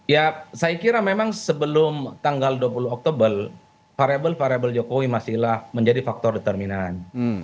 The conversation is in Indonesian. ya saya kira memang sebelum tanggal dua puluh oktober variable variable jokowi masihlah menjadi faktor determinan